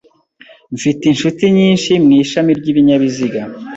Mfite inshuti nyinshi mu ishami ry’ibinyabiziga.